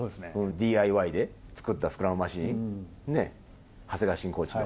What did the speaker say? ＤＩＹで作ったスクラムマシン、長谷川慎コーチの。